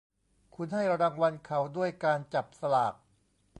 คุณให้รางวัลเขาด้วยการจับสลาก